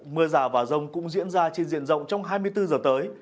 mưa rào và rông cũng diễn ra trên diện rộng trong hai mươi bốn giờ tới